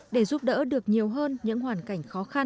để giúp đỡ được nhiều hơn những hoàn cảnh khó khăn